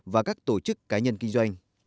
và các tổ chức cá nhân kinh doanh